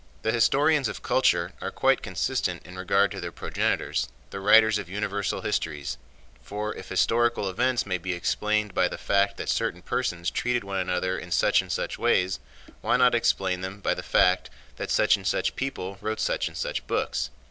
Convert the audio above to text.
The historians of culture are quite consistent in regard to their progenitors, the writers of universal histories, for if historical events may be explained by the fact that certain persons treated one another in such and such ways, why not explain them by the fact that such and such people wrote such and such books?